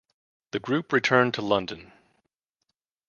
The group returned to London.